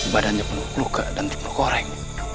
badannya penuh peluka dan timbul goreng